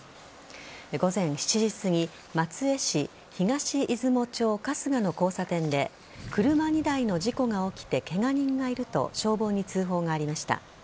午前７時すぎ松江市東出雲町春日の交差点で車２台の事故が起きてケガ人がいると消防に通報がありました。